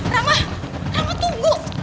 rama rama tunggu